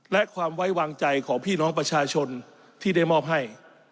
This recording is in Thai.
และความไว้วางใจของพี่น้องประชาชนที่ได้มอบให้